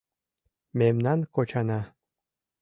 Мемнан кочана